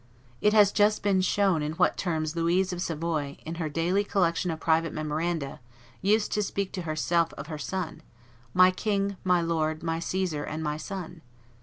It has just been shown in what terms Louise of Savoy, in her daily collection of private memoranda, used to speak to herself of her son, "My king, my lord, my Caesar, and my son!"